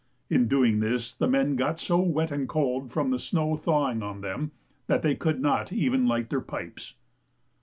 In doing this the men got so wet and cold, from the snow thawing on them, that they could not even light their pipes.